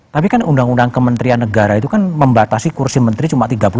tapi kan undang undang kementerian negara itu kan membatasi kursi menteri cuma tiga puluh